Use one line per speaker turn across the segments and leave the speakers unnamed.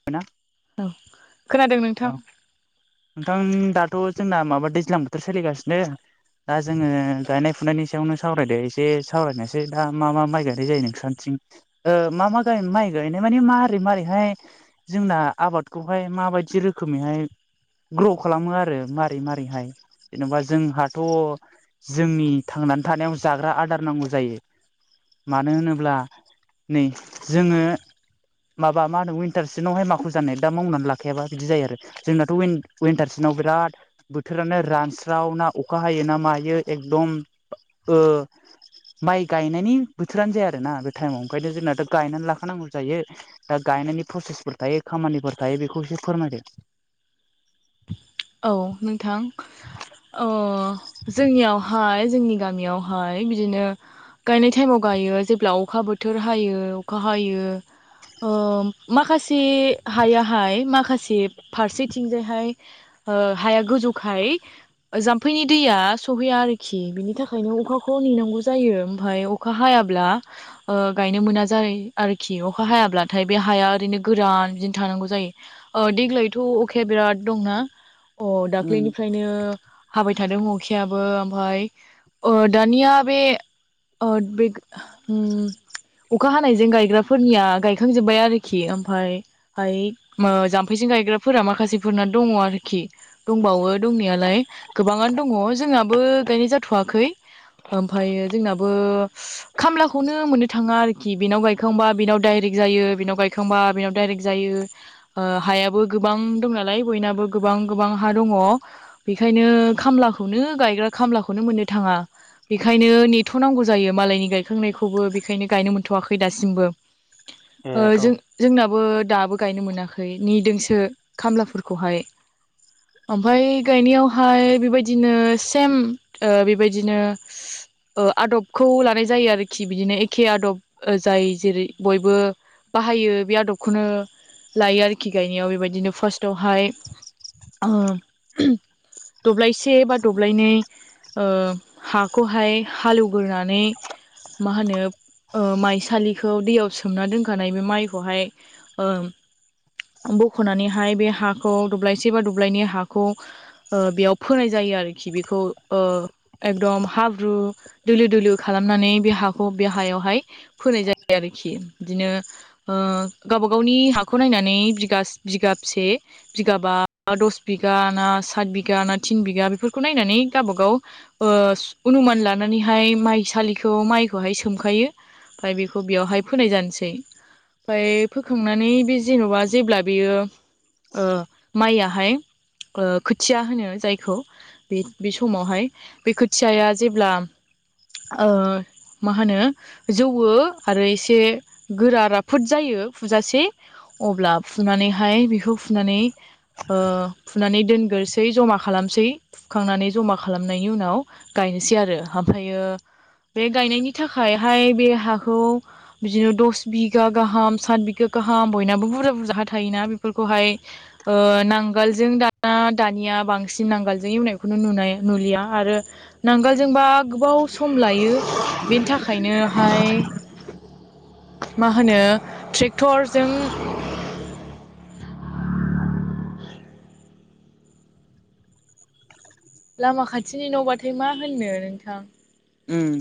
[inaudible]
औ खोनादों नों
औ नोंथां दाथ' जोंना माबा दैज्लां बोथोर सोलिगासिनो दा जोङो गायनाय फुनायनि सायावनो सावरायदो एसे सावरायनायसै दा मा मा माइ गायनाय जायो नोंसोरानथिं मा मा गाय माइ गायनाय माने माबोरै माबारोरैहाय जोंना आबादखौहाय माबायदि एसे रोखोमैहाय ग्र' खालामो आरो मारै मारैहाय जेनेबा जोंहाथ' जोंनि थांनानै थानायाव जाग्रा आदार नांगौ जायो। मानो होनोब्ला नै जोङो। माबा मा होनो उिटारसिनावहाय माखखौ जानाय दा मावनानै लाखायाबा। बिदि जायो आरो जोंनाथ' विनटार सिजेनाव बिराद बोथोरानो रानस्रावनाा अखा हायो ना मायो एखदम ओ माइ गायनायनि बोथोरानो जाया आरोोना बे टाइमाव ओंखायनो जोंनाथ' गायनानै लाखानांगौ जायो। दा गायनायनि प्रसेसफोर थायो खामानिफोर थायो बेखौ एसे फोरमायदों।
औ नोंथां जोंनियाव हाय जोंनि गामियावहाय बिदिनो गायनाय टाइमाव गायो जेब्ला अखा बोथोर हायो अखा हायो। माखासे हायाहाय माखासे फारसेथिंजायहाय हाया गोजौखाय जाम्फैनि दैया सहैया आरोखि बिनि थाखायनो अखाखौ नेनांगौ जायो। ओमफ्राय अखा हायाब्ला गायनो मोना जायो आरोखि अखा हायाब्लाथाय बे हाया ओरैनो गोरान बिदिनो थानांगौ जायो। देग्लायथ' अखाया बिराद दंना अ
उम
दाख्लैनिफ्रायनो हाबाय थादों अखायाबो ओमफाय दानिया बे बे अखा हानायजों गायग्राफोरनिया गायखांजोब्बाय आरोखि ओमफ्राय ाय जाम्फैजों गायग्राफोरा माखासेफोरना दङ आरोखि दंबावो दंनायालाय गोबाङानो दङ जोंहाबो गायनाय जाथ'वाखै ओमफ्रायायो जोंनाबो खामलाखौनो मोननो थाङा आरोखि बेनाव गायखांबा बेनाव डाइरेक्ट जायो बेनाव गायखां थखांबा बेनाव डाइरेक्ट जायो हायाबो गोबां दं नालाय बयनाबो गोबां गोबां हा दङ बेखायनो खामलाखौनो गायग्रा खामलाखौनो मोननो थाङा। बेखायनो नेथ'नांगौ जायो मालायनि गायखांनायखौबो बेखायनो गायनो मोनथ'वाखै दासिमबो ओ जों
उम
जोंनाबो दाबो गायनो मोनाखै नेदोंसो खामलाफोरखौहाय। ओमफ्राय गायनायावहाय बेबायदिनो सेम बेबायदिनो आदबखौ लानाय जायो आरोखि बिदिनो एखे आदब जाय जेरै बयबो बाहायो बे आदबखौनो लायो आरोखि गायनायाव बेबायदिनो फार्स्टआवहाय दब्लायसे बा दब्लायनै हाखौहाय हालेवग्रानै मा होनो माइसालिखौ दैयाव सोमना दोनखानाय बे माइखौहाय बख'नानैहाय बे हाखौ दब्लायसे बा दब्लायनि हाखौ बेयाव फोनाय जायो आरोखि बेखौ एकदम हाब्रु दोलो दोलो खालामनानै बे हाखौ बे हायावहाय फोनाय जायो आरोखि बिदिनो गावबा गावनि हाखौ नायनानै बिगा बिगाबसे बिगाबा दस बिगा ना सात बिगा ना थिन बिगा बेफोरखौ नायनानै गावबागाव अनुमान लानानैहाय माइसालिखौ माइखौहाय सोमखायो। ओमफ्राय बेखौ बेयावहाय फोनाय जानोसै। ओमफाय फोखांनानै बे जेन'बा जेब्ला बेयो माइयाहाय खोथिया होनो जायखौ बे बे समावहाय बे खोथियाया जेब्ला ओ मा होनो जौवो आरो एसे गोरा राफोद जायो फुजासे अब्ला फुनानैहाय बेखौ फुनानै फुनानै दोनग्रोसै जमा खालामसै। सुखांनानै जमा खालामनायनि उनाव गायनोसै आरो ओमफ्रायो बे गायनायनि थाखायहाय बे हाखौ बिदिनो दस बिगा गाहाम सात बिगा गाहाम बयनाबो बुरजा बुरजाहा थायोना बेफोरखौहाय नांगालजों दाना दानिया बांसिन नांगालजों एवनायखौनो नुनाय नुलिया आरो नांगोलजोंबा गोबाव सम लायो बेनि थाखायनोहाय मा होनो ट्रेक्टरजों लामा खाथिनि न'बाथाय मा होननो नोंथां
उम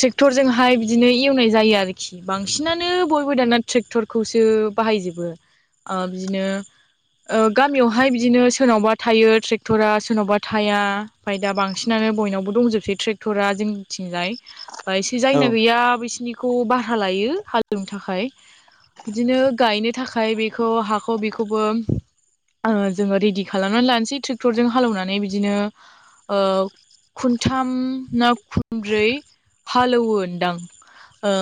ट्रेक्टरजोंहाय बिदिनो एवनाय जायो आरोखि बांसिनानो बयबो दाना ट्रेक्टर खौसो बाहायजोबो बिदिनो गामियावहाय बिदिनो सोरनावबा थायो ट्रेक्टरा सोरनावबा थाया ओमफ्राय दा बांसिनानो बयनावबो दंजोबसै ट्रेक्टरा जोंनिथिंजाय बा एसे
औ
जायना गैया बिसिोरनिखौ भारा लायो हालेवनो थाखाय। बिदिनो गायनो थाखाय बेखौ हाखौ बेखौबो जोङो रेडि खालामनानै लानोसै ट्रेक्टरजों हालेवनानै बिदिनो ओ खन्थाम ना खनब्रै हालेवोनोदां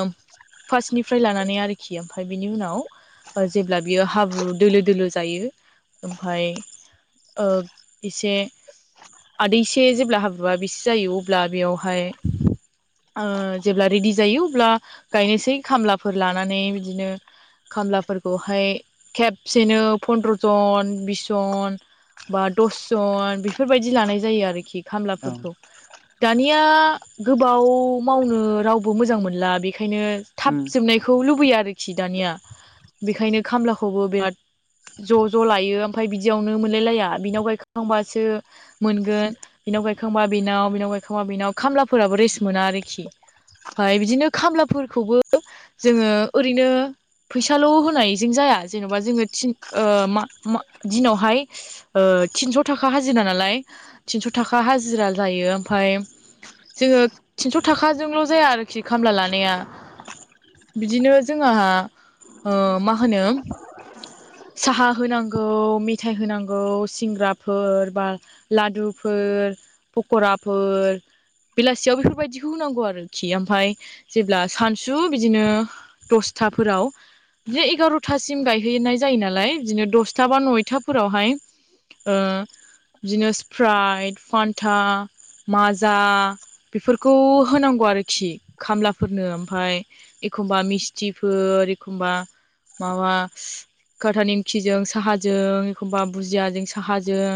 फार्स्टनिफ्राय लानानै आरोखि ओमफ्राय बिनि उनाव जेब्ला बियो हाब्रु दोलो दोलो जायो ओमफाय ओ एसे आदैसे जेब्ला हाब्रुवा बिसे जायो अब्ला बेयावहाय ओ जेब्ला रेडि जायो अब्ला गायनोसै खामलाफोर लानानै बिदिनो खामलाफोरखौहाय खेबसेनो फनद्रजन बिस जन बा दसजन बेफोरबायदि लानाय जायो आरोखि
औ
खामलाफोरखौ दानिया गोबाव मावनो रावबो मोजां मोनला बेखायनो थाब
उम
जोबनायखौ लुबैयो आरोखि दानिया बेखायनो खामलाखौबो बिराद ज' ज' लायो ओमफ्राय बिदियावनो मोनलायलाया बिनाव गायखांबासो मोनगोन बिनाव गायखांबा बेनाव बिनाव गायखांबा बिनाव खामलाफोराबो रेस्ट मोना आरो खि ओमफ्राय बिदिनो खामलाफोरखौबो जोङो ओरैनो फैसाल होनायजों जाया जेनबा जोङो थिन मा मा दिनावहाय थिनस थाखा हाजिरा नालाय थिनस थाखा हाजिरा जायो ओमफ्राय जोङो थिनस' थाखाजोंल जाया आरोखि खामला लानाया बिदिनो जोंहा ओ माहोनो साहा होनांगौ मेथाइ होनांगौ सिंग्राफोर बा लादुफोर पकराफोर बेलासियाव बेफोरबायदि थौ नांगौ आरोखि ओमफफ्राय जेब्ला सानसु बिदिनो दसथाफोराव बिदिनो एगारथासिम गायहैनाय जायो नालाय बिदिनो दसथा बा नयथाफोरावहाय बिदिनो स्प्राइड फान्था माजा खौ होनांगौ आरोखि खामलाफोरनो ओमफ्राय एखमबा मिस्थिफोर एखमबा माबा खाथा नेमखिजों साहाजों एखनबा बुजियाजों साहाजों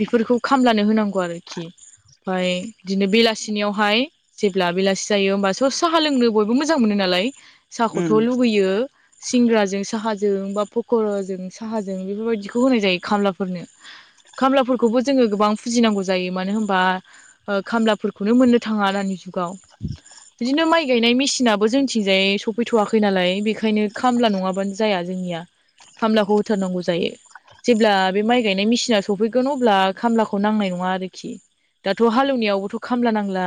बेफोरखौ खामलानो होनांगौ आरोखि ओमफ्राय बिदिनो बेलासिनियाव हाय जेब्ला बेलासि जायो होमबासो साहा लोंनो बयबो मोजां मोनो नालाय साहाखौथ
उम
लुबैयो सिंग्राजों साहाजों बा पकराजों साहाजों बेफोरबायदिखौ होनाय जायो खामलाफोरनो खामलाफोरखौबो जोङो गोबां फुजिनांगौ जायो मानो हबा खामलाफोरखौनो मोननो थाङा दानि जुगाव बिदिनो माइ गायनाय मेसिनाबो जोंथिंजायै सफैथवाखै नालाय बेखायनो खामला नङाबानो जाया जोंनिया खामलाखौ होथारनांगौ जायो जेब्ला बे माइ गायनाय मेसिना सफैगोन अब्ला खामलाखौ नांनाय नङा आरोखि दाथ हालेवनायावबोथ खामला नांला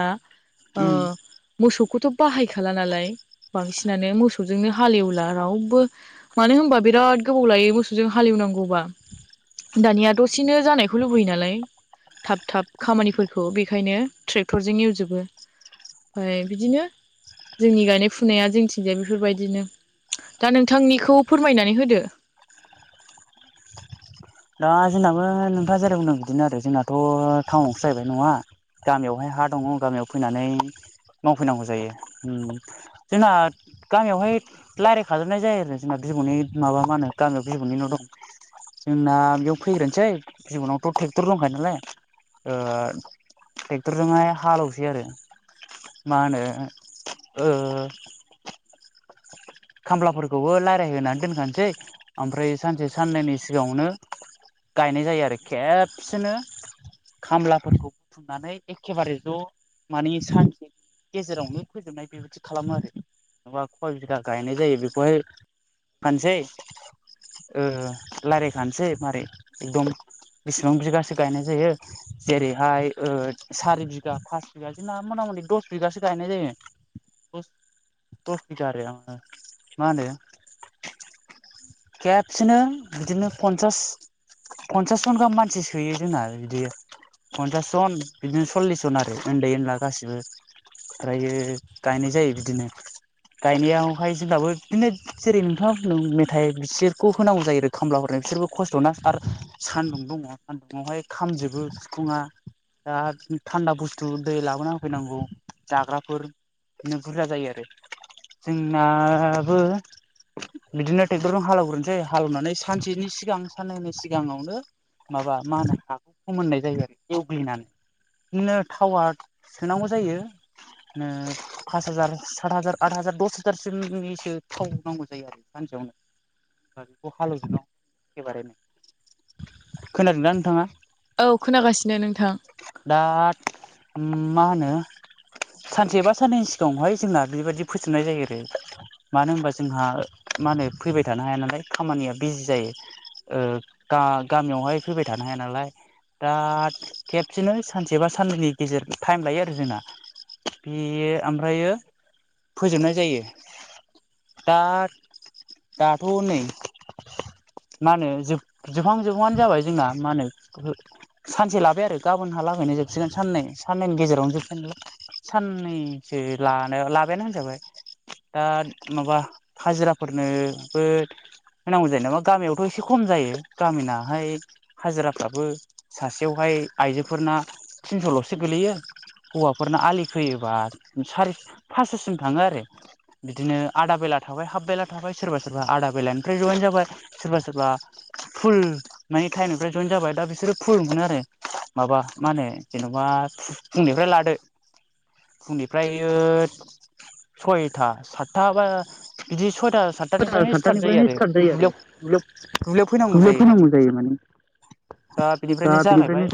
उम
मोसौखौथ बाहायखाला नालाय बांसिनानो मोसौजोंनो हालेवला रावबो मानो होनबा बिराद गोबाव लायो मोसौजों हालेवनांगौबा दानिया दसेनो जानायखौ लुबैयो नालाय थाब थाब खामानिफोरखौ बेखायनो ट्रेक्टरजों एवजोबो ओमफ्राय बिदिनो जोंनि गायनाय फुनाया जोंथिंजाय बेफोरबायदिनो दा नोंथांनिखौ फोरमायनानै होदो
दा जोंनाबो नोंथाङा जेरे बुंदों बिदिनो आरो जोंनाथ टाउनावसो जाहैबाय न'वा गामियावहाय हा दङ गामियाव फैनानै मावफैनांगौ जायो जोंना गामियावहाय लायराय खाजोबनाय जायो आरो जोंना बिबौनि माबा मा होनो गामियाव बिबौनि न' दं जोंना बेयाव फैग्रोनोसै जिबनावथ‌ ट्रेक्टर दंखायो नालाय आ टेक्टरजोंहाय हालेवसै आरो। माहोनो ओ खामलाफोरखौबो रायज्लाय होननानै दोनखानोसै ओमफ्राय सानसे साननैनि सिगाङावनो गायनाय जायो आरो खेबसेनो खामलाफोरखौ बुथुमनानै एखेबारे ज' माने सान गेजेरावनो फोजोबनाय बेबायदि खालामो आरो नेनाबा खव बिगा गायनाय जायो बेखौहाय फानसै रायलायखानोसै मारै एकदम बिसिबां बिगासो गायनाय जायो। जेरैहाय ओ सारि बिगा पास बिगा जोंना मथा मथि दस बिगासो गायनाय जायो। दस दस बिगा आरो माहोनो केबसेनो बिदिनो पन्सास पनसास जन गाहाम मानसि सोयो जोंना बिदि। फन्सास जन बिदिनो सल्लिस जन आरो उन्दै उनला गासिबो। ओमफ्रायो गायनाय जायो बिदिनो गायनायाव बेहाय जोंबाबो बिदिनो जेरै नोंथाङा मेथाइ बिसोरखौ होनांगौ जायो आरो खामला हरनाय बिसोरखौ खस्थ'ना आरो सान्दुं दङ सान्दुुंआवहाय खामजोबो सिफुङ दा थान्दा बुस्थु दै लाबोना होफैनांगौ जाग्राफोर। बिदिनो बुरजा जायो आरो। नाबो बिदिनो ट्रेक्टरजों हालौग्रोनोसै हालेवनानै सानसेनि सिगां साननैै सिगाङावनो माबा मा होन हाखौ फोमोननाय जायो आरो एवग्लिनानै बिदिनो टावार सोनांगौ जायो। फास हाजार सात हाजार आ हाजार दस हथारसोनिसो थाव नांगौ जायो आरो सानसेयावनो। खौ हालेवदन एबारैनो खोनादोंना नोंथाङा?
औ खोनागासिनो नोंथां।
दा मा होनो सानसे बा साननैनि सिगाङावहाय जोंना बेबायदि फोसोबनाय जायो आरो मानो होनबा जोंहा मा होनो फैबाय थानो हाया नालाय खामानिया बिजि जायो। गामियावहाय फैबाय थानो हाया नालाय। दा खेबसेनो सानसे बा साननैनि गेजेर टाइम लायो आरो जोंना। बेयो ओमफ्र फोजोबनाय जायो। दा दाथ' नै मा होनो ज जोबहां जोबहांनो जाबाय जोंहा मा होनो सानसे लाबाय आरो गाबोनहा लागैनो जोबसिगोन साननै साननैनि गेजेरावनो जोबसिगोनलाय साननैसो लानाय लाबायना होनजाबाय दा माबा हाजिराफोरनोबो होनांगौ जायो नामा गामियावथ' एसे खम जायो गामिनाहाय हाजिराफ्राबो सासेयावहाय आइजोफोरना थिनस'ल'सो गोलैयो। हौवाफोरना आलि फोयोबा सारि फासस'सिम थाङो आरो। बिदिनो आदा बेला थाबाय हाफ बेला थाबाय सोरबा सोरबा आदा बेलानिफ्राय जयेन जाबाय सोरबा सोरबा फुल माने टाइमनिफ्राय जयेन जाबाय दा बिसोरो फुल मोनो आरो। माबा मा होनो जेन'बा फुंनिफ्राय लादो। फुंनिफ्राय सय सथा साथा बा बिदि सयथा सा
साराय
साततानिफ्रायनो स्टार्ट जायो
सातथानिफ्रायनो
आरो
स्टार्ट जायो आरो
दुलियाव
ग्लोब
दुब्लियाव फैनांगौ जायो। माने दा बिनिफ्रायनो जागायबाय।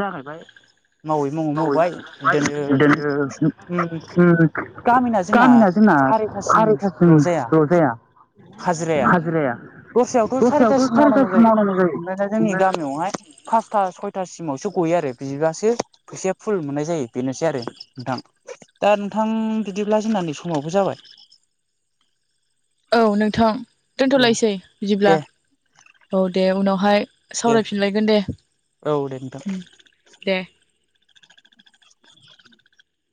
मावै मावै मावबाय
मावै
बिदिनो
बिदिनो
गामिना जोंना सारिथासिमल' जाया हाजिराया दस्रायावथ' सारिथासिम मावनांगौ जायो ओमफ्राय दा जोंनि गामियावहाय फासथा सयथासिमावसो गयो आरो बिबासो फैसाया फुल मोननाय जायो बेनोसै आरो नोंथां दा नोंथां बिदिब्ला जोंनानि समावबो जाबाय [inaudible]
औ नोंथां
औ
दोनथ'लायसै बिदिब्ला
दे
औ दे उनावहाय
दे
सावरायफिनलायगोन दे
औ दे नोंथां
दे